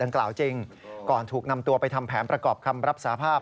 กล่าวจริงก่อนถูกนำตัวไปทำแผนประกอบคำรับสาภาพ